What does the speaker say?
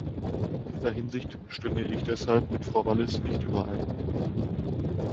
In dieser Hinsicht stimme ich deshalb mit Frau Wallis nicht überein.